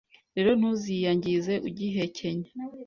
rero ntuziyangize ugihekenya